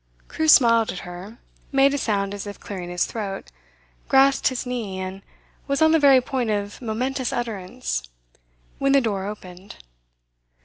Crewe smiled at her, made a sound as if clearing his throat, grasped his knee, and was on the very point of momentous utterance, when the door opened.